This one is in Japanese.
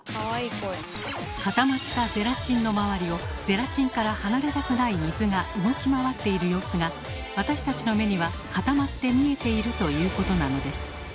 固まったゼラチンの周りをゼラチンから離れたくない水が動き回っている様子が私たちの目には固まって見えているということなのです。